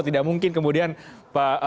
tidak mungkin kemudian pak